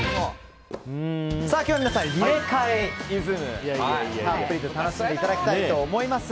今日は皆さんにリレカエイズムをたっぷりと楽しんでいただきたいと思います。